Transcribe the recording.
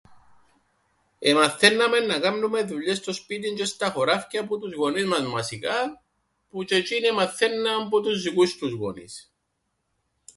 Εμαθαίνναμεν να κάμνουμεν δουλειές στο σπίτιν τζ̆αι στα χωράφκια που τους γονείς μας βασικά, που τζ̆αι τζ̆είνοι εμαθαίνναν που τους δικούς τους γονείς.